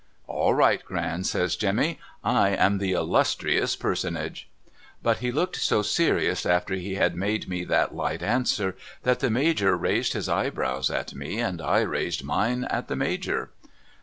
'' All right Gran ' says Jemmy, ' I am the illustrious personage.' Ikit he looked so serious after he had made me that light answer, that the Major raised his eyebrows at me and 1 raised mine at the Major.